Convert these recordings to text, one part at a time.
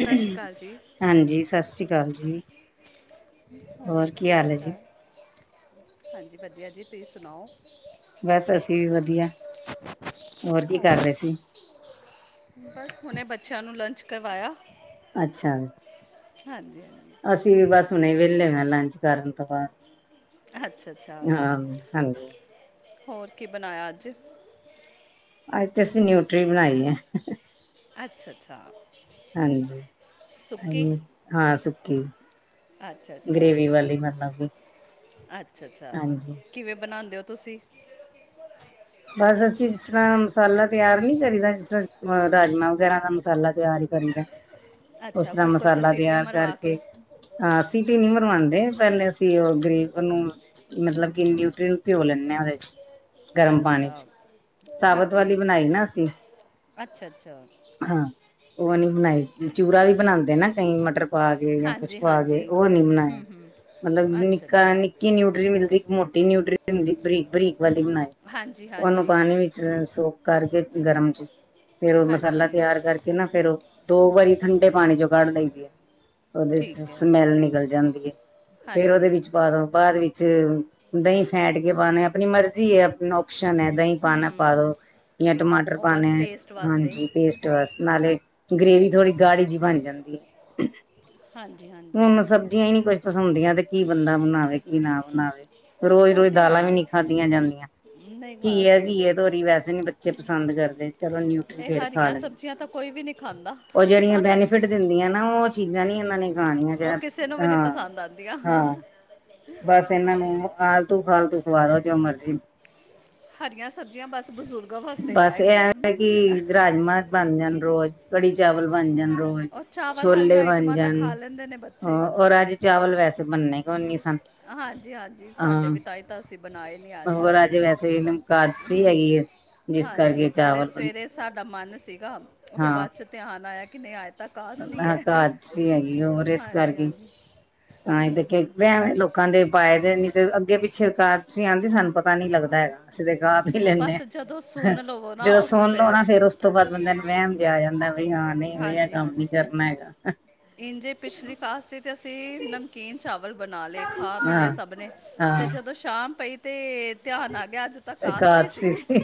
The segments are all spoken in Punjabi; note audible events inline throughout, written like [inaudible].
ਸਤਿ ਸ਼੍ਰੀ ਅਹਮ ਅਕਾਲ ਜੀ। ਹਾਂਜੀ, ਸਤਿ ਸ੍ਰੀ ਅਕਾਲ ਜੀ। ਹੋਰ ਕੀ ਹਾਲ ਹੈ ਜੀ ਹਾਲ-ਚਾਲ ਹਾਂਜੀ, ਵਧੀਆ ਜੀ ਤੁਸੀਂ ਸੁਣਾਓ? ਬਸ ਅਸੀਂ ਵੀ ਵਧੀਆ ਹੋਰ ਕੀ ਕਰ ਰਹੇ ਸੀ? ਬਸ ਹੁਣੇੇ ਬੱਚਿਆਂ ਨੂੰ ਲੰਚ ਕਰਵਾਇਆ। ਅੱਛਾ। ਹਾਂਜੀ- ਹਾਂਜੀ। ਅਸੀਂ ਵੀ ਬਸ ਹੁਣੇ ਵਿਹਲੇ ਹੋਏ ਹਾਂ ਲੰਚ ਕਰਨ ਤੋਂ ਬਾਅਦ। ਅੱਛਾ ਅੱਛਾ ਹਾਂ-ਹਾਂਜੀ। ਹੋਰ ਕੀ ਬਣਾਇਆ ਅੱਜ। ਅੱਜ ਤੇ ਅਸੀਂ ਨਿਊਟਰੀ ਬਣਾਈ ਹੈ। ਅੱਛਾ-ਅੱਛਾ। ਹਾਂਜੀ ਹਾਂ ਸੁੱਕੀ। ਅੱਛਾ-ਅੱਛਾ, ਗ੍ਰੇਵੀ ਵਾਲੀ ਮਤਲਬ ਕਿ ਅੱਛਾ-ਅੱਛਾ, ਹਾਂਜੀ ਕਿਵੇਂ ਬਣਾਉਦੇ ਹੋ? ਤੁਸੀਂ। ਬਸ ਅਸੀਂ ਜਿਸ ਤਰ੍ਹਾਂ ਮਸਾਲਾ ਤਿਆਰ ਨਹੀਂ ਕਰੀਦਾ ਜਿਸ ਤਰ ਅ ਰਾਜਮਾਂ ਵਗੈਰਾ ਦਾ ਮਸਾਲਾ ਤਿਆਰ। ਕਰ ਉਸ ਅੱਛਾ ਤਰ੍ਹਾਂ ਕੁੱਕਰ 'ਚ ਮਸਾਲਾ ਸੀਟੀਆਂ ਤਿਆਰ ਮਰਵਾ ਕਰਕੇ ਕੇ ਹਾਂਸੀ। ਸੀਟੀ ਨਹੀਂ ਮਰਵਾਉਂਦੇ ਪਹਿਲੇ ਅਸੀਂ ਉਹ ਗਰੀਬ ਨੂੰ ਮਤਲਬ ਕਿ ਨਿਊਟਰੀ ਪਿਓ ਲੈਂਦੇ ਹਾਂ ਵਿਚ ਗਰਮ। ਪਾਣੀ ਚ ਅੱਛਾ, ਸਾਬਤ ਹਾਂਜੀ, ਵਾਲੀ ਬਣਾਈ ਨਾ ਅਸੀਂ ਅੱਛਾ-ਅੱਛਾ। ਹਾਂ ਉਹ ਨੀ ਬਣਾਈ ਚੂਰਾ ਵੀ ਬਣਾਉਂਦੇ ਨਾ ਕਈ ਮਟਰ ਪਾ ਕੇ ਜਾਂ ਕੁਛ ਹਾਂਜੀ ਪਾ ਹਾਂਜੀ ਕੇ ਉਹ ਨੀ ਬਣਾਇਆ ਮਤਲਬ ਅੱਛਾ ਨਿੱਕਾ ਅੱਛਾ ਨਿੱਕੀ ਨਿਊਟਰੀ ਮਿਲਦੀ। ਮੋਟੀ ਨਿਊਟਰੀ ਦੀ ਬਰੀਕ-ਬਰੀਕ ਵਾਲੀ ਬਣਾਏ ਹਾਂਜੀ ਉਹਨੂੰ ਹਾਂਜੀ ਪਾਣੀ ਵਿੱਚ। ਸੋਕ ਕਰਕੇ ਗਰਮ ਚ ਫੇਰ ਉਹ ਮਸਾਲਾ ਹਾਂਜੀ ਤਿਆਰ ਕਰਕੇ ਨਾ ਫੇਰ ਦੋ ਵਾਰੀ ਠੰਡੇ ਪਾਣੀ ਜੋਗਾੜ ਦੇ ਦੀਏ। ਉਹਦੇ ਠੀਕ ਹੈ ਸਮੈਲ ਨਿਕਲ ਜਾਂਦੀ ਹੈ। ਫੇਰ ਹਾਂਜੀ ਉਹਦੇ ਵਿੱਚ ਬਾਦੋਂ ਬਾਅਦ ਵੀ। ਚ ਦਹੀਂ ਫੈਟ ਕੇ ਪਾਉਣਾ ਆਪਣੀ ਮਰਜ਼ੀ ਹੈ। ਆਪਣਾ ਓਪਸ਼ਨ ਹੈ। ਦਹੀਂ ਪਾਉਣਾ ਪਾ ਲੋ। ਜਾਂ ਟਮਾਟਰ ਉਹ ਬਸ ਪਾਉਣੇ ਆ ਟੇਸਟ ਵਾਸਤੇ ਹਾਂਜੀ ਪੇਸਟ ਵਾਸਤੇ ਨਾਲੇ। ਗਰੇਵੀ ਥੋੜ੍ਹੀ ਗਾੜੀ ਜਿਹੀ ਬਣ ਜਾਂਦੀ ਹੈ। ਹਾਂਜੀ ਹਾਂਜੀ ਹੁਣ ਸਬਜ਼ੀਆਂ ਹੀ ਨੀ ਕੁਛ। ਪਸੰਦੀਆਂ ਤੇ ਕੀ ਬੰਦਾ ਬਣਾਵੇ ਕੀ ਨਾ ਬਣਾਵੇ। ਉਹ ਰੋਜ਼-ਰੋਜ਼ ਤੇ ਹੈ ਦਾਲਾਂ ਹੀ ਵੀ ਨਹੀਂ ਹੈ। ਖਾਦੀਆਂ ਜਾਂਦੀਆਂ ਨਹੀਂ ਖਾ ਸਕਦੇ ਘੀਏ-ਘੀਏ ਤੋਰੀ ਵੈਸੇ ਨੀ ਬੱਚੇ। ਪਸੰਦ ਕਰਦੇ। ਚਲੋ ਨਿਊਟਰੀ ਇਹ ਫੇਰ ਖਾ ਹਰੀਆਂ ਲੈਣੀ ਸਬਜ਼ੀਆਂ ਤਾਂ ਕੋਈ ਵੀ ਨਹੀਂ ਖਾਂਦਾ ਉਹ ਜਿਹੜੀਆਂ ਬੈਨੀਫਿਟ ਦਿੰਦੀਆਂ ਨਾ ਉਹ ਚੀਜ਼ਾਂ ਨੀ। ਇਹਨਾਂ ਨੇ ਖਣੀਆ ਉਹ ਕਿਸੇ ਨੂੰ ਵੀ ਨਹੀਂ ਪਸੰਦ ਆਉਂਦੀਆਂ ਹਾਂ-ਹਾਂ ਬਸ ਇਹਨਾਂ ਨੂੰ ਆਲਤੂ ਫਾਲਤੂ ਖਵਾ ਲੋ ਜੋ ਮਰਜ਼ੀ। ਹਰੀਆਂ ਸਬਜ਼ੀਆਂ ਬਸ ਬਜ਼ੁਰਗਾਂ ਵਾਸਤੇ ਬਸ ਰਹਿ ਇਹ ਗਈਆਂ। ਹੈ ਕਿ ਰਾਜਮਾਂ ਬਣ ਜਾਣ ਰੋਜ਼ ਕੜੀ ਚਾਵਲ ਬਣ ਜਾਂਦੇ। ਉਹ ਚਾਵਲ ਵਾਲੀਆਂ ਛੋਲੇ ਬਣ ਆਈਟਮਾਂ ਤਾਂ ਜਾਣ ਖਾ ਲੈਂਦੇ ਨੇ ਬੱਚੇ ਔਰ ਅੱਜ ਚਾਵਲ ਵੈਸੇ ਬਣਨੇ। ਨੀ ਸਨ। ਹਾਂਜੀ-ਹਾਂਜੀ ਸਾਡੇ ਹਾਂ ਵੀ ਤਾਂਹੀ ਤਾਂ ਅਸੀਂ ਬਣਾਏ ਨੀ ਅੱਜ ਹੋਰ ਵੈਸੇ ਕਾਦਸੀ ਹੈਗੀ ਹਮ। ਹੈ ਜਿਸ ਹਾਂਜੀ ਕਰਕੇ ਪਹਿਲੇ ਚਾਵਲ ਬਣ ਸਵੇਰੇ ਸਾਡਾ ਮਨ ਸੀਗਾ ਉਹ ਫਿਰ ਹਾਂ ਬਾਅਦ ਚ ਧਿਆਨ ਆਇਆ ਕਿ ਨਹੀਂ ਅੱਜ। ਏਕਾਦਸ਼ੀ ਹੈ। ਕਾਦਸੀ ਹਾਂਜੀ-ਹਾਂਜੀ ਹਾਂ ਇਹ ਤੇ ਵਹਿਮ ਲੋਕ। ਲੋਕਾਂ ਦੇ ਪਾਏ ਦੇ ਨੀ ਤੇ ਅੱਗੇ ਪਿੱਛੇ ਏਕਾਦਸ਼ੀ ਆਉਂਦੀ ਸਾਨੂੰ ਪਤਾ ਨੀ ਲੱਗਦਾ ਹੈਗਾ। ਦੇ ਗਾ ਵੀ ਉਹ ਲੈਂਦੇ ਬਸ ਜਦੋਂ ਹਾਂ। ਸੁਣ ਲਵੋ ਨਾ ਜਦੋਂ ਉਸ ਲਈ ਸੁਣ ਲਓ ਫਿਰ ਨਾ ਫੇਰ ਉਸ ਤੋਂ ਬਾਅਦ ਬੰਦਾ ਨੂੰ ਵਹਿਮ ਆ ਜਾਂਦਾ। ਬਈ ਹਾਂ ਨਹੀਂ ਬਈ ਇਹ ਕੰਮ ਹਾਂਜੀ-ਹਾਂਜੀ ਨੀ ਕਰਨਾ ਹੈਗਾ। ਇੰਝੇ ਪਿਛਲੀ ਇਕਾਦਸ਼ੀ ਤੇ ਅਸੀਂ। ਨਮਕੀਨ ਚਾਵਲ ਬਣਾ ਲਏ ਖਾ ਵੀ ਲਏ ਹਾਂ ਸਭ ਨੇ। ਤੇ ਜਦੋਂ ਸ਼ਾਮ ਪਈ ਤੇ ਧਿਆਨ ਆ ਗਿਆ ਅੱਜ ਤਾਂ ਦੇ ਕਾਸਤੀ ਘਰ ਸੀ ਸੀਗੀ ਸੀ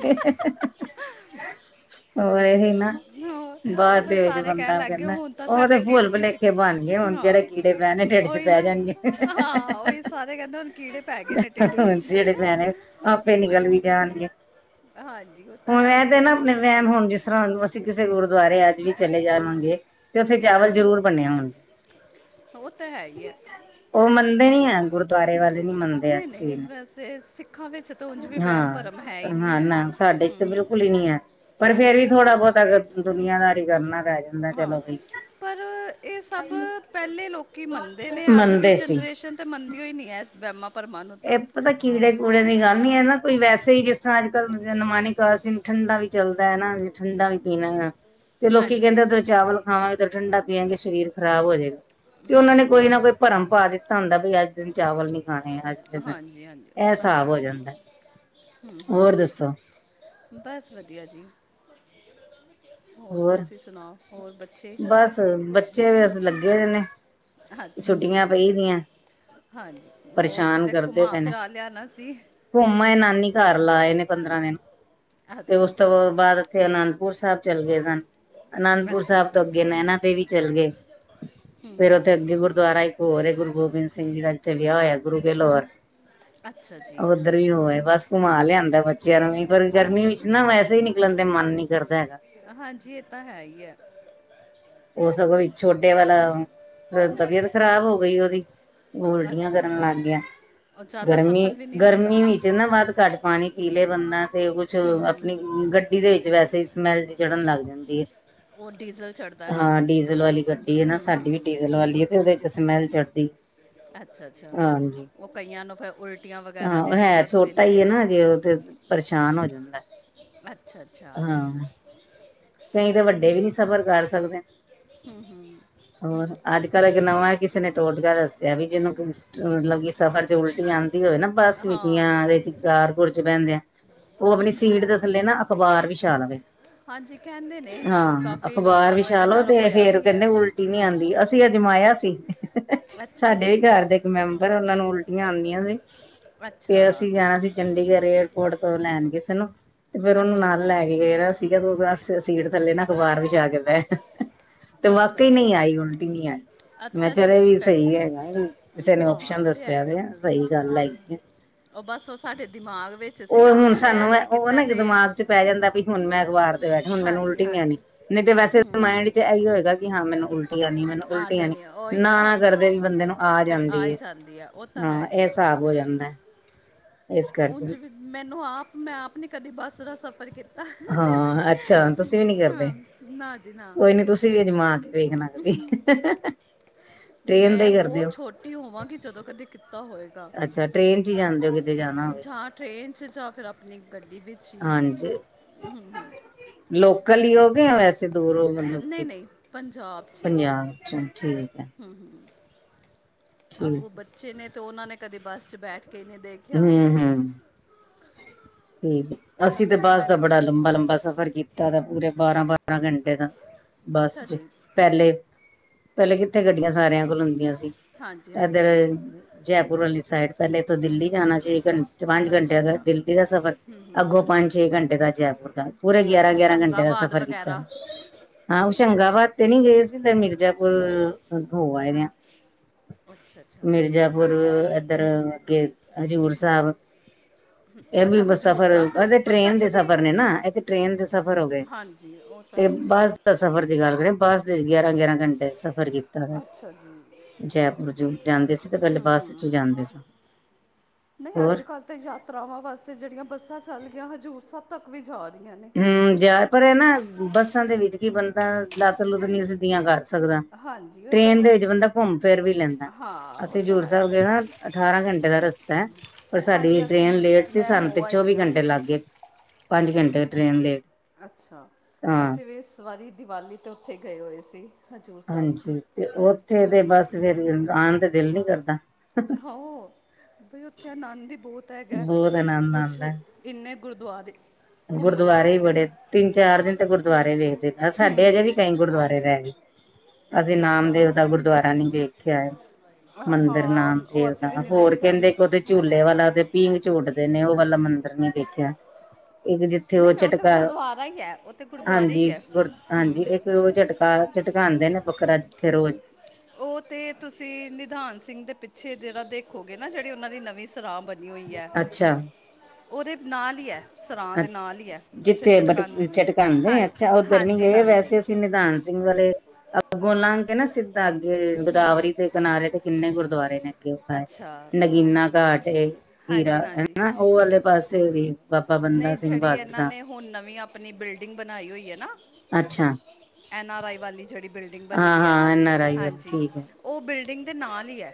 ਹੋਰ ਇਹੀ ਨਾ। ਹਾਂ। ਬਾਹਰ ਉਹ ਫਿਰ ਦੇ ਹੋ ਚ ਸਾਰੇ ਕਹਿਣ ਬੰਦਾ ਲੱਗ ਗਏ ਕਹਿੰਦਾ। ਹੁਣ ਤਾਂ ਉਹ ਤੇ ਸਾਡੇ ਢਿੱਡ ਭੁੱਲ ਵਿੱਚ ਭੁਲੇਖੇ ਬਣ ਗਏ ਹੁਣ ਹਾਂ ਜਿਹੜੇ ਕੀੜੇ ਪੈਣੇ ਢਿੱਡ ਚ ਉਹੀ ਪੈ। ਨਾ ਜਾਣਗੇ ਹਾਂ ਉਹੀ ਸਾਰੇ ਕਹਿੰਦੇ ਹੁਣ ਕੀੜੇ ਪੈ ਗਏ ਨੇ ਢਿੱਡ ਹੁ ਵਿੱਚ ਜਿਹੜੇ ਪਾਣੇ। ਆਪੇ ਐਨੀ ਗੱਲ ਵੀ ਜਾਣਗੇ ਆ। ਹਾਂਜੀ ਉਹ ਤਾਂ ਹੁਣ ਹੈ ਮੈਂ ਹੀ ਤੇ ਨਾ ਹੈ ਆਪਣੇ ਵਹਿਮ ਹੁਣ ਜਿਸ ਤਰ੍ਹਾਂ ਅਸੀਂ ਕਿਸੇ ਗੁਰਦੁਆਰੇ ਅੱਜ ਵੀ। ਚਲੇ ਜਾਵਾਂਗੇ। ਤੇ ਉੱਥੇ ਚਾਵਲ ਜ਼ਰੂਰ ਬੰਨਿਆ ਹੋਣਗੇ। ਉਹ ਤਾਂ, ਹੈ-ਹੈ। ਉਹ ਮੰਨਦੇ ਨੀ ਆ ਗੁਰਦੁਆਰੇ ਵਾਲੇ ਨੀ ਮੰਨਦੇ ਨਹੀਂ ਇਸ ਨਹੀਂ ਚੀਜ਼ ਨੂੰ। ਵੈਸੇ ਸਿੱਖਾਂ ਵਿੱਚ ਤਾਂ ਉਂਝ ਵੀ ਵਹਿਮ ਭਰਮ ਹੈ ਹੀ ਨਹੀਂ ਹਾਂ-ਹਾਂ ਹੈ ਨਾ ਸਾਡੇ ਤਾਂ ਬਿਲਕੁਲ ਹੀ ਨਹੀਂ ਹੈ। ਪਰ ਫੇਰ ਵੀ ਥੋੜਾ-ਬਹੁਤਾ ਅਗਰ ਦੁਨੀਆਂਦਾਰੀ ਕਰਨਾ। ਪੈ ਜਾਂਦਾ ਹਾਂ, ਚਲੋ ਬਈ ਪਰ ਇਹ ਸਭ ਪਹਿਲੇ ਲੋਕੀ ਮੰਨਦੇ ਨੇ। ਅੱਜ ਦੀ ਮੰਨਦੇ ਸੀ। ਜਨਰੇਸ਼ਨ। ਤੇ ਮੰਨਦੀ ਹੋ ਹੀ ਨੀ, ਹੈ ਵਹਿਮਾਂ। ਭਰਮਾਂ ਨੂੰ ਤਾਂ ਇਹ ਪਤਾ ਕੀੜੇ-ਕੂੜੇ ਨੀ ਗੱਲ ਨਹੀਂ ਹੈ ਨਾ। ਕੋਈ ਵੈਸੇ ਹੀ ਜਿਸ ਤਰ੍ਹਾਂ ਅੱਜ-ਕੱਲ੍ਹ ਨਮਾਨੀਕਾਸਤੀ ਨੂੰ ਠੰਡਾ ਵੀ ਚੱਲਦਾ ਹੈ ਨਾ ਠੰਡਾ ਵੀ ਪੀਣਾ ਆ। ਤੇ ਲੋਕੀ ਹਾਂਜੀ ਕਹਿੰਦੇ, ਚਾਵਲ ਖਵਾਂਗੇ ਤੇ ਠੰਡਾ ਪੀਵਾਂਗੇ ਸ਼ਰੀਰ ਖ਼ਰਾਬ ਹੋ ਜਾਏਗਾ। ਤੇ ਉਹਨਾਂ ਨੇ ਕੋਈ ਨਾ ਕੋਈ ਭਰਮ ਪਾ ਦਿੱਤਾ ਹੁੰਦਾ ਬਈ ਅੱਜ ਦਿਨ ਚਾਵਲ ਨੀ ਖਾਣੇ ਅੱਜ। ਹਾਂਜੀ ਹਾਂਜੀ ਇਹ ਉਹ ਤਾਂ ਹਿਸਾਬ ਹੈ ਹੋ ਜਾਂਦਾ ਹੋਰ ਦੱਸੋ? ਬਸ ਵਧੀਆ ਜੀ। ਹੋਰ, ਤੁਸੀਂ ਸੁਣਾਓ ਹੋਰ ਬੱਚੇ ਬਸ ਬੱਚੇ ਵੀ ਅਸੀ ਲੱਗੇ ਹੋਏ ਨੇ। ਅੱਛਾ ਅੱਛਾ ਛੁੱਟੀਆਂ ਪਈ ਦੀਆਂ। ਹਾਂਜੀ ਹੋਰ ਪਰੇਸ਼ਾਨ ਕਿਤੇ ਕਰਦੇ ਪਏ ਨੇ ਘੁਮਾ-ਫਿਰਾ ਲਿਆਣਾ ਸੀ। ਘੁੰਮ ਆਏ ਨਾਨੀ ਘਰ ਲਾ ਆਏ ਨੇ ਪੰਦਰਾਂ ਦਿਨ, ਤੇ ਅੱਛਾ ਉਸ ਅੱਛਾ ਤੋਂ ਬਾਅਦ ਇੱਥੇ ਅਨੰਦਪੁਰ ਸਾਹਿਬ ਚਲੇ ਗਏ ਸਨ। ਅਨੰਦਪੁਰ ਅੱਛਾ ਸਾਹਿਬ ਤੋਂ ਅੱਛਾ ਅੱਗੇ ਨੈਣਾ ਦੇਵੀ ਚੱਲ ਗਏ। ਫੇਰ ਉੱਥੇ ਅੱਗੇ ਗੁਰਦੁਆਰਾ ਇੱਕ ਹੋਰ ਗੁਰੂ ਗੋਬਿੰਦ ਸਿੰਘ। ਉੱਥੇ ਵਿਆਹ ਹੋਇਆ ਗੁਰੂ ਬੇਲੋਰ। ਅੱਛਾ-ਅੱਛਾ। ਉੱਧਰ ਵੀ ਹੋਏ ਬਸ, ਘੁੰਮਾ ਲਿਆਦਾ ਬੱਚਿਆਂ ਨੂੰ ਵੀ ਪਰ ਗਰਮੀ ਵਿੱਚ ਨਾ ਵੈਸੇ ਹੀ ਨਿਕਲਣ ਦੇ ਮਨ ਨੀ ਕਰਦਾ ਹੈ। ਹਾਂਜੀ ਇਹ ਤਾਂ ਹੈ ਹੀ ਹੈ। ਉਹ ਸਗੋਂ ਵੀ ਛੋਟੇ, ਵਾਲਾ ਤਬੀਅਤ ਖ਼ਰਾਬ ਹੋ ਗਈ ਉਹਦੀ। ਉਲਟੀਆਂ ਅੱਛਾ ਕਰਨ ਅੱਛਾ ਲੱਗ ਗਿਆ ਉਹ ਜ਼ਿਆਦਾ ਸਫ਼ਰ ਵੀ ਨਹੀਂ ਹੁੰਦਾ ਗਰਮੀ-ਗਰਮੀ ਵਿੱਚ ਨਾ ਵੱਧ-ਘੱਟ ਪਾਣੀ ਪੀਲੇ ਬੰਦਾ ਤੇ ਕੁਛ ਆਪਣੀ ਗੱਡੀ ਦੇ ਵਿੱਚ ਵੈਸੇ ਹੀ ਸਮੈਲ ਚ ਚੜ੍ਹਨ ਲੱਗ ਜਾਂਦੀ ਹੈ। ਉਹ ਡੀਜ਼ਲ ਚੜਦਾ ਨਾ ਹਾਂ ਡੀਜ਼ਲ ਵਾਲੀ ਗੱਡੀ ਹੈ ਨਾ ਸਾਡੀ ਵੀ ਡੀਜ਼ਲ ਵਾਲੀ ਹੈ ਤੇ ਉਹਦੇ ਚ ਸਮੈਲ ਚੜਦੀ ਅੱਛਾ-ਅੱਛਾ, ਹਾਂਜੀ ਉਹ ਕਈਆਂ ਨੂੰ ਫਿਰ ਉਲਟੀਆਂ ਵਗੈਰਾ ਹਾਂ ਉਹ ਦੀ ਹੈ ਦਿੱਕਤ ਹੋ ਛੋਟਾ ਜਾਂਦੀ ਹੀ ਹੈ। ਨਾ ਜੇ ਉਹ ਪਰੇਸ਼ਾਨ ਹੋ ਜਾਂਦਾ ਅੱਛਾ-ਅੱਛਾ। ਹਾਂ ਕਈ ਤਾਂ ਵੱਡੇ ਵੀ ਨੀ ਸਬਰ ਕਰ ਸਕਦੇ ਹੋਰ ਅੱਜ-ਕੱਲ੍ਹ ਨਵਾਂ ਕਿਸੇ ਨੇ ਟੋਟਕਾ ਦਸਿਆ ਵੀ ਜਿਹਨੂੰ ਮਤਲਬ ਕਿ ਸਫ਼ਰ ਚ ਉਲਟੀ [inaudible] ਹਾਂ ਉਹ ਆਪਣੀ ਸੀਟ ਦੇ ਥੱਲੇ ਨਾ ਅਖ਼ਬਾਰ ਵਿਛਾ ਲਵੇ। ਹਾਂਜੀ ਕਹਿੰਦੇ ਨੇ ਕਿ ਕਾਫ਼ੀ ਲੋਕਾਂ ਨੂੰ ਇਹਦੇ ਚਲੋ ਨਾਲ ਤੇ ਹੋਇਆ ਫੇਰ ਵੀ ਹੈ ਕਹਿੰਦੇ ਉਲਟੀ ਨੀ ਆਉਂਦੀ ਅਸੀਂ ਅਜਮਾਇਆ ਸੀ। ਅੱਛਾ ਸਾਡੇ ਵੀ ਜੀ ਘਰ ਦੇ ਇੱਕ ਮੈਂਬਰ ਉਹਨਾ ਨੂੰ ਉਲਟੀਆਂ ਆਉਂਦੀਆਂ ਨੇ। ਅੱਛਾ ਕਿ ਅਸੀਂ ਜਾਣਾ ਸੀ ਚੰਡੀਗੜ੍ਹ ਏਅਰਪੋਰਟ ਤੋਂ ਲੈਣ ਕਿਸੇ ਨੂੰ ਤੇ ਫੇਰ ਉਹਨੂੰ ਅੱਛਾ ਨਾਲ ਜੀ ਲੈ ਕੇ ਗਏ ਸੀਗਾ ਤੂੰ ਸੀਟ ਥੱਲੇ ਨਾ ਅਖ਼ਬਾਰ ਵਿਛਾਕੇ ਬੈ ਤੇ ਅੱਛਾ ਵਾਕਈ ਨਹੀਂ ਆਈ ਉਲਟੀ ਨਹੀਂ ਆਈ ਮੈਂ ਅੱਛਾ ਕਿਹਾ ਜੀ ਚੱਲ ਇਹ ਵੀ ਸਹੀ ਇਫੈਕਟ ਹੈਗਾ ਕਿਸੇ ਨੇ ਹਾਂ ਆਪਓਸ਼ਨ ਇਹ ਹੈ ਦੱਸਿਆ ਹੀ। ਤੇ ਸਹੀ ਗੱਲ ਹੈਗੀ ਆ ਉਹ ਬਸ ਉਹ ਸਾਡੇ ਦਿਮਾਗ ਵਿੱਚ ਸੀ ਉਹ ਨਾ ਹੁਣ ਇਹ ਸਾਨੂੰ ਅਸੀਂ ਉਹ ਕੀਤਾ ਨਾ ਤੇ ਦਿਮਾਗ ਚ ਪੈ ਜਾਂਦਾ ਵੀ ਹੁਣ ਮੈਂ ਅਖਬਾਰ ਤੇ ਬੈਠ ਹੁਣ ਮੈਨੂੰ ਹਾਂਜੀ ਉਲਟਟੀ ਨਹੀਂ ਨੇ ਹਾਂਜੀ ਨਹੀਂ ਤੇ ਵੈਸੇ ਮਾਇੰਡ ਚ ਇਹੀ ਹੋਏਗਾ ਵੀ ਹਾਂ ਮੈਨੂੰ ਉਲਟ ਮੈਨੂੰ ਆ ਉਲਟੀਆਂ ਜਾਣੀ ਆ, ਉਹੀ ਨਾ-ਨਾ ਨਾ ਕਰਦੇ ਵੀ ਬੰਦੇ ਨੂੰ ਆ ਫਿਰ ਜਾਂਦੀ ਹੀ ਹੈ ਜਾਂਦੀ ਆ ਉਹ ਤਾਂ ਹੈ ਹਾਂ ਇਹ ਸਾਬ। ਹੋ ਜਾਂਦਾ। ਉਝ ਕਰਕੇ ਵੀ ਮੈਨੂੰ ਆਪ ਮੈਂ ਆਪ ਨੇ ਕਦੀ ਬੱਸ ਦਾ ਸਫ਼ਰ ਕੀਤਾ ਹਾਂ ਅੱਛਾ ਤੁਸੀਂ ਵੀ ਨੀ ਕਰਦੇ। ਹਾਂ ਨਾ ਜੀ ਨਾ ਕੋਈ ਨੀ ਤੁਸੀਂ ਵੀ ਅਜਮਾ ਕੇ ਵੇਖਨਾ ਕਦੀ ਟ੍ਰੇਨ ਦਾ ਮੈਂ ਹੀ ਕਰਦੇ ਬਹੁਤ ਹੋ ਛੋਟੀ ਹੋਵਾਂਗੀ ਜਦੋਂ ਕਦੇ ਮੈਂ ਕੀਤਾ ਹੋਵੇ ਅੱਛਾ ਟ੍ਰੇਨ ਚ ਹੀ ਜਾਂਦੇ ਹੋ ਕਿਤੇ ਜਾਣਾ ਹੋਵੇ। ਜਾਂ ਟ੍ਰੇਨ ਚ ਜਾਂ ਫਿਰ ਆਪਣੀ ਗੱਡੀ ਵਿੱਚ। ਹਾਂਜੀ ਹਮ-ਹਮ। ਲੋਕਲ ਹੀ ਹੋਗੇ ਜਾਂ ਵੈਸੇ ਦੂਰ ਹੋ ਨਹੀਂ ਮਤਲਬ, ਨਹੀਂ ਪੰਜਾਬ ਚ। ਹਮ ਹਮ ਠੀਕ ਅੱਗੋਂ ਬੱਚੇ ਨੇ ਤੇ ਉਹਨਾਂ ਨੇ ਕਦੇ ਬੱਸ ਚ ਬੈਠ ਕੇ ਹੀ ਨਹੀਂ ਦੇਖਿਆ ਹਮ ਹਮ ਠੀਕ ਹੈ। ਅਸੀਂ ਤਾਂ ਸਾਡੇ ਵੀ ਬਸ ਦਾ ਮੈਨੂੰ ਵੀ ਬੜਾ ਲੰਬਾ ਲੰਬਾ ਸਫ਼ਰ ਕੀਤਾ ਦਾ ਪੂਰੇ ਬਾਰਾਂ ਬਾਰਾਂ ਘੰਟੇ ਦਾ ਬੱਸ ਅੱਛਾ ਚ ਜੀ ਪਹਿਲੇ ਪਹਿਲੇ ਕਿੱਥੇ ਗੱਡੀਆਂ ਸਾਰਿਆਂ ਕੋਲ ਹੁੰਦੀਆਂ ਸੀ ਹਾਂਜੀ ਇੱਧਰ ਹਾਂਜੀ ਜੈਪੁਰ ਵਾਲੀ ਸਾਈਡ ਪਹਿਲੇ ਇਥੋਂ ਦਿੱਲੀ ਜਾਣਾ ਚਾਹੀਦਾ ਪੰਜ ਅੱਛਾ ਘੰਟਿਆਂ ਦਾ ਅੱਛਾ ਦਿੱਲੀ ਦਾ ਸਫ਼ਰ ਅੱਗੋਂ ਪੰਜ ਛੇ ਘੰਟੇ ਦਾ ਜੈਪੁਰ ਦਾ ਪੂਰੇ ਉਹ ਗਿਆਰਾਂ ਗਿਆਰਾਂ ਘੰਟੇ ਦਾ ਹੋਸ਼ੰਗਾਬਾਦ ਸਫ਼ਰ ਕੀਤਾ ਵਗੈਰਾ ਹਾਂ ਚੰਗਾਵਾਦ ਤੇ ਨਹੀਂ ਗਏ ਸੀ ਤਾਂ ਮਿਰਜ਼ਾਪੁਰ ਹੋ ਆਏ ਨੇ ਅੱਛਾ ਅੱਛਾ ਮਿਰਜ਼ਾਪੁਰ ਏਧਰ ਅੱਗੇ ਹਜ਼ੂਰ ਸਾਹਿਬ ਇਹ ਅੱਛਾ ਵੀ ਹਜੂਰ ਸਾਹਿਬ ਸਫ਼ਰ ਤੇ ਤੁਸੀਂ ਬੱਸਾਂ ਟ੍ਰੇਨ 'ਚ ਦੇ ਗਏ ਸਫ਼ਰ ਨੇ ਨਾ ਇਹ ਤੇ ਟੇਨ ਦੇ ਸਫ਼ਰ ਹੋ ਗਏ ਹਾਂਜੀ ਉਹ ਤੇ ਤਾਂ ਬੱਸ ਦਾ ਸਫ਼ਰ ਦੀ ਗੱਲ ਕਰੇ ਬੱਸ ਦੇ ਗਿਆਰਾਂ ਗਿਆਰਾਂ ਘੰਟੇ ਸਫ਼ਰ ਕੀਤਾ ਹੈ। ਅੱਛਾ ਜੀ ਜੈਪੁਰ ਚ ਜਾਂਦੇ ਸੀ ਤੇ ਪਹਿਲੇ ਬਸ ਚ ਜਾਂਦੇ ਸੀ। ਨਹੀਂ ਅੱਜ ਕੱਲ੍ਹ ਤੇ ਯਾਤਰਾਵਾਂ ਵਾਸਤੇ ਜਿਹੜੀਆਂ ਬੱਸਾਂ ਚੱਲ ਗਈਆਂ ਹਜ਼ੂਰ ਸਾਹਿਬ ਤੱਕ ਵੀ ਜਾ ਰਹੀਆਂ ਨੇ ਹਮ ਜਾਂ ਫੇਰ ਹੈ ਨਾ ਬੱਸਾਂ ਦੇ ਵਿੱਚ ਕੀ ਬੰਦਾ ਲੱਤ ਲੁੱਤ ਨ ਸਿੱਧੀਆਂ ਕਰ ਸਕਦਾ ਹਾਂਜੀ ਉਹ ਤਾਂ ਟ੍ਰੇਨ ਦੇ ਵਿੱਚ ਹੈ। ਬੰਦਾ ਘੁੰਮ ਫਿਰ ਵੀ ਲੈਂਦਾ ਹਾਂ ਉਹ ਅਸੀਂ ਤਾਂ ਹਜ਼ੂਰ ਹੈ ਸਾਹਿਬ ਗਏ ਨਾ ਅਠਾਰਾਂ ਘੰਟੇ ਦਾ ਰਸਤਾ ਹੈ ਪਰ ਸਾਡੀ ਹਾਂਜੀ ਅਸੀਂ ਟ੍ਰੇਨ ਲੇਟ ਸੀ ਮੈਂ ਸਾਨੂੰ ਤੇ ਹੋ ਆਈ ਦੀ ਚੌਵੀ ਹਾਂ ਘੰਟੇ ਲੱਗ ਗਏ। ਪੰਜ ਘੰਟੇ ਟ੍ਰੇਨ ਦੇ ਅੱਛਾ, ਅਸੀਂ ਵੀ ਇਸ ਵਾਰੀ ਦੀਵਾਲੀ ਤੋਂ ਉੱਥੇ ਗਏ ਹੋਏ ਸੀ। ਹਜੂਰ ਸਾਹਿਬ ਹਾਂਜੀ, ਤੇ ਉੱਥੇ ਤੇ ਬਸ ਫਿਰ ਆਣ ਦਾ ਦਿਲ ਨੀ ਕਰਦਾ। ਹਾਂ, ਬਈ ਉੱਥੇ ਆਨੰਦ ਹੀ ਬਹੁਤ ਹੈਗਾ ਬਹੁਤ ਆਨੰਦ ਕੁਛ ਆਂਦਾ। ਇ ਗੁਰਦੁਆਰੇ। ਘੁੰਮਣ ਗੁਰਦੁਆਰੇ ਹੀ ਵਾਸਤੇ ਬੜੇ ਤਿੰਨ ਚਾਰ ਦਿਨ ਤੇ ਗੁਰਦੁਆਰੇ ਵੇਖਦੇ ਸਾਡੇ ਅਜੇ ਵੀ ਕਈ ਗੁਰਦੁਆਰੇ ਰਹਿ ਗਏ। ਅਸੀਂ ਅੱਛਾ ਅੱਛਾ ਨਾਮਦੇਵ ਦਾ ਗੁਰਦੁਆਰਾ ਨਹੀਂ ਦੇਖ ਕੇ ਆਏ। ਹਾਂ, ਮੰਦਿਰ ਹਾਂ ਨਾਮ ਉਹ ਦੇਵ ਅਸੀਂ ਵੀ ਦਾ ਨਹੀਂ ਹੋਰ ਦੇਖਿਆ ਕਹਿੰਦੇ ਹੀ ਉਹਦੇ ਝੂਲੇ ਵਾਲਾ ਦੇ ਪੀਂਘ ਝੂਟਦੇ ਨੇ ਉਹ ਵਾਲਾ ਮੰਦਿਰ ਨੀ ਦੇਖਿਆ। ਇੱਕ ਜਿੱਥੇ ਉਹ ਨਹੀਂ ਨਹੀਂ ਤੇ ਝਟਕਾ ਗੁਰਦੁਆਰਾ ਹੀ ਹੈ ਉਹ ਤੇ ਗੁਰਦੁਆਰਾ ਹਾਂਜੀ ਹੀ ਹੈ ਗੁਰ ਹਾਂਜੀ ਇੱਕ ਉਹ ਝਟਕਾ। ਝਟਕਾਂਦੇ ਨੇ ਬੱਕਰਾ ਜਿੱਥੇ ਰੋਜ਼ ਉਹ ਤੇ ਤੁਸੀਂ ਨਿਧਾਨ ਸਿੰਘ ਦੇ ਪਿੱ ਛੇ ਜਿਹੜਾ ਦੇਖੋਗੇ ਨਾ, ਜਿਹੜੀ ਉਹਨਾਂ ਦੀ ਨਵੀਂ ਸਰਾਹ ਬਣੀ ਹੋਈ ਐ। ਅੱਛਾ ਉਹਦੇ ਨਾਲ ਈ ਐ ਸਰਾਂ ਅੱ ਦੇ ਨਾਲ ਈ ਐ। ਜਿੱਥੇ ਬਟ ਚਟਕਾਂਦੇ ਉੱਧਰ ਨੀ ਹਾਂਜੀ ਗਏ ਹਾਂਜੀ ਵੈਸੇ ਅਸੀਂ ਨਿਧਾਨ ਸਿੰਘ ਵਾਲੇ ਅੱਗੋਂ ਲੰਘ ਕੇ ਨਾ ਸਿੱਧਾ ਅੱਗੇ ਗੋਦਾਵਰੀ ਤੇ ਕਿਨਾਰੇ ਤੇ ਕਿੰਨੇ ਗੁਰਦੁਆਰੇ ਨੇ। [unintelligible] ਅੱਛਾ ਨਗੀਨਾ ਘਾਟ ਐ ਹੀਰਾ ਹਾਂਜੀ ਹਾਂਜੀ ਹਨਾ ਉਹ ਵਾਲੇ ਪਾਸੇ ਹੋਗੀ। ਨਹੀਂ ਜਿਹੜੀ ਇਹਨਾਂ ਨੇ ਹੁਣ ਨਵੀਂ ਆਪਣੀ ਬਿਲਡਿੰਗ ਬਣਾਈ ਹੋਈ ਐ ਨਾ। ਅੱਛਾ। ਐਨਾ ਰਾਈ ਵਾਲੀ ਜਿਹੜੀ ਬਿਲਡਿੰਗ ਬਣੀ ਹਾਂ ਦੀ ਐ ਹਾਂ ਇਹਨਾਂ ਐਨ ਦੀ ਆਰ ਆਈ ਵਾਲੀ ਹਾਂਜੀ ਠੀਕ ਹੈ ਉਹ ਬਿਲਡਿੰਗ ਦੇ ਨਾਲ ਈ ਐ।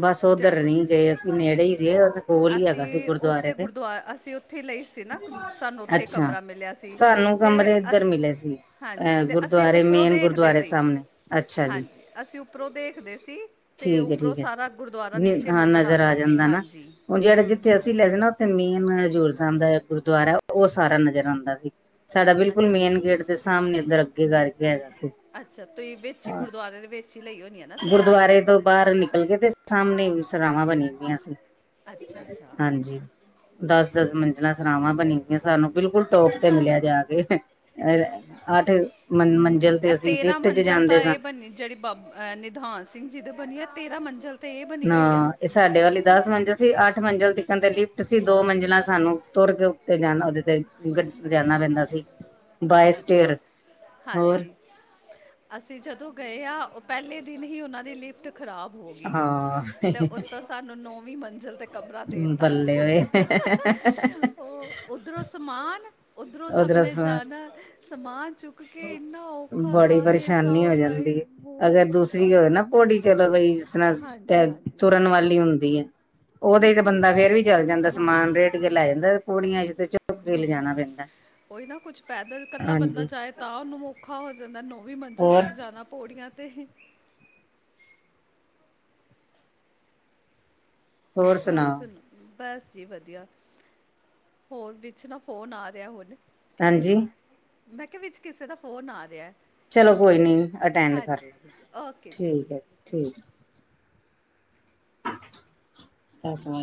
ਬਸ ਓਧਰ ਨਹੀਂ ਗਏ ਅਸੀਂ ਨੇੜੇ ਹੀ ਸੀ ਉਹ ਕੋਲ ਈ ਹੈਗਾ ਸੀ ਅਸੀਂ ਗੁਰਦੁਆਰੇ ਉਸੇ ਦੇ। ਗੁਰਦੁਆਰਾ ਅਸੀਂ ਉੱਥੇ ਲਈ ਸੀ ਨਾ ਸਾਨੂੰ ਉੱਥੇ ਅੱਛਾ ਕਮਰਾ ਮਿਲਿਆ ਸੀ ਸਾਨੂੰ ਤੇ ਕਮਰੇ ਇੱਧਰ ਮਿਲੇ ਸੀ ਅਸੀਂ ਹਾਂਜੀ ਅ ਅਤੇ ਅਸੀਂ ਗੁਰਦੁਆਰੇ ਉੱਪਰੋਂ ਮੇਨ ਦੇਖਦੇ ਗੁਰਦੁਆਰੇ ਸੀ ਸਾਹਮਣੇ ਅੱਛਾ ਜੀ ਹਾਂਜੀ ਅਸੀਂ ਉੱਪਰੋਂ ਦੇਖਦੇ ਸੀ। ਤੇ ਠੀਕ ਹੈ ਉਪਰੋਂ ਠੀਕ ਹੈ ਸਾਰਾ ਗੁਰਦੁਆਰਾ ਨੀਚੇ ਹਾਂ ਨਜ਼ਰ ਆਂਦਾ ਆ ਸੀ ਜਾਂਦਾ ਨਾ ਹਾਂਜੀ। ਹੁਣ ਜਿਹੜਾ ਹੂੰ ਜਿੱਥੇ ਅਸੀਂ ਲੈ ਜਾਣਾ ਉੱਥੇ ਮੇਨ ਜ਼ ਦਾ ਗੁਰਦੁਆਰਾ ਉਹ ਸਾਰਾ ਨਜ਼ਰ ਆਂਦਾ ਸੀ ਸਾਡਾ ਬਿਲਕੁਲ ਅੱਛਾ ਮੇਨ ਅੱਛਾ ਗੇਟ ਦੇ ਸਾਹਮਣੇ ਏਦਰ। ਅੱਗੇ ਕਰਕੇ ਹੈਗਾ ਸੀ ਅੱਛਾ, ਤੁਸੀਂ ਵਿੱਚ ਹੀ ਗੁਰਦੁਆਰੇ ਦੇ ਵਿੱਚ ਹੀ ਲਈ ਹੋਣੀ ਹੈ ਨਾ ਸਰਾਂ ਗੁਰਦੁਆਰੇ ਤੋਂ ਬਾਹਰ ਨਿਕਲ ਕੇ ਤੇ ਸਾਹਮਣੇ ਸਰਾਵਾਂ ਬਣੀ ਹੋਈਆਂ ਸੀ। ਅੱਛਾ ਅੱਛਾ ਹਾਂਜੀ, ਦਸ ਦਸ ਮੰਜਣਾਂ ਸਰਾਵਾਂ ਬਣੀ ਦੀਆਂ ਸਾਨੂੰ ਬਿਲਕੁਲ ਟੋਪ ਤੇ ਮਿਲਿਆ ਜਾ ਕੇ। ਅ ਅੱਠ ਮੰ ਮੰਜ਼ਿਲ ਤੇ ਇਹ ਅਸੀਂ ਲਿਫਟ ਚ ਮੰਜ਼ਲ ਜਾਂਦੇ ਤਾਂ ਸਾਂ। ਇਹ ਬਣੀ ਜਿਹੜੀ ਬਾਬ- ਅਹ ਨਿਧਾਨ ਸਿੰਘ ਜੀ ਦਾ ਬਣੇ ਆ ਤੇਰਾ ਮੰਜ਼ਿਲ। ਨਾ ਇਹ ਸਾਡੇ ਵਾਲੀ ਦਸ ਮੰਜ਼ਿਲ ਸੀ। ਅੱਠ ਮੰਜ਼ਿਲ ਦੀ ਕਣ ਤੇ ਲਿਫਟ ਸੀ ਦੋ ਮੰਜ਼ਿਲਾਂ ਸਾਨੂੰ ਤੁਰ ਕੇ ਉੱਤੇ ਜਾਣਾ ਉਹਦੇ ਤੇ ਗੱ ਜਾਣਾ ਪੈਂਦਾ ਸੀ ਬਾਏ ਅੱਛਾ ਸਟੇਅਰ ਅੱਛਾ ਹੋਰ ਹਾਂਜੀ ਅਸੀਂ ਜਦੋਂ ਗਏ ਆ, ਉਹ ਪਹਿਲੇ ਦਿਨ ਹੀ ਉਹਨਾਂ ਦੀ ਲਿਫਟ ਖ਼ਰਾਬ ਹੋ ਗਈ ਹਾਂ ਅਤੇ ਉੱਤੋਂ ਸਾਨੂੰ ਨੌਵੀਂ ਮੰਜ਼ਿਲ 'ਤੇ ਕਮਰਾ ਦੇਤਾ। ਹਨ। ਉਹ ਓਧਰੋਂ ਸਮਾਨ ਉਧਰੋਂ ਸਭ ਨੇ ਜਾਣਾ ਸਮਾਨ ਚੁੱਕ ਕੇ ਇੰਨਾ ਔਖਾ ਬੜੀ ਸਾਰੇ ਪਰੇਸ਼ਾਨੀ ਸਾਓ ਹੋ ਸਾਈ ਜਾਂਦੀ ਐ ਹੋ ਅਗਰ ਦੂਸਰੀ ਔ- ਹੋਵੇ ਨਾ ਪੌੜੀ ਚਲੋ। ਈ ਜਿਸ ਹਾਂਜੀ ਤਰ੍ਹਾਂ ਹਾਂਜੀ ਤੁਰਨ ਵਾਲੀ ਹੁੰਦੀ ਐ। ਉਹਦੇ ਤੇ ਕੁਛ ਬੰਦਾ ਫੇਰ ਵੀ ਚੱਲ ਜਾਂਦਾ ਸਮਾਨ ਰੇੜ ਹਾਂਜੀ ਕੇ ਲੈ ਜਾਂਦਾ ਪੋੜੀਆਂ ਚ ਤੇ ਝੁੱਕ ਕੇ ਹੂੰ ਲਿਜਾਣਾ ਹੂੰ ਪੈਂਦਾ ਉਹੀ ਨਾ ਕੁੱਝ ਪੈਦਲ ਇਕੱਲਾ ਬੰਦਾ ਹਾਂਜੀ ਜਾਏ। ਤਾਂ ਉਹਨੂੰ ਔਖਾ ਹੋ ਜਾਂਦਾ ਨੌਵੀਂ ਮੰਜ਼ਿਲ ਹੋਰ ਤੱਕ ਜਾਣਾ ਪੌੜੀਆਂ! ਤੇ। ਹੋਰ ਸੁਣਾ। ਬਸ ਜੀ, ਵਧੀਆ ਹੋਰ ਵਿੱਚ ਨਾ ਫੋਨ ਆ ਰਿਹਾ ਹੁਣ। ਠੀਕ ਐ ਜੀ, ਹਾਂਜੀ ਮੈਂ ਕਿਹਾ ਵਿਚ ਕਿਸੇ ਦਾ ਫੋਨ ਆ ਰਿਹਾ। ਚਲੋ ਠੀਕ ਹੈ ਕੋਈ ਨੀ ਅਟੈਂਡ ਹਾਂਜੀ ਕਰਲੋ ਓਕੇ ਜੀ ਓਕੇ ਠੀਕ ਐ ਠੀਕ! ਅ ਸਮਾਲ।